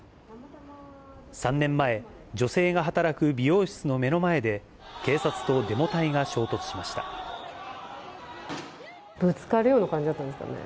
３年前、女性が働く美容室の目の前で、ぶつかるような感じだったんですかね。